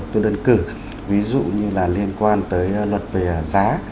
đơn cử ví dụ như là liên quan tới luật về giá